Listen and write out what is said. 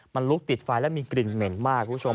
มันลุกติดไฟแล้วมีกลิ่นเหม็นมากคุณผู้ชม